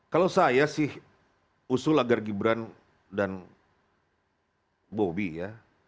kalau saya sih usul agar gibran dan bobi ya